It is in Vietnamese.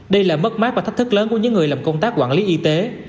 đây là mất mát và thách thức lớn của những người làm công tác quản lý y tế